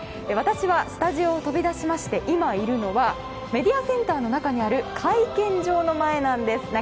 私はスタジオを飛び出して今いるのはメディアセンターの中にある会見場の前なんです。